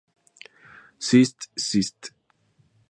Syst., Syst.